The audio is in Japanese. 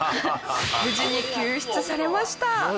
無事に救出されました。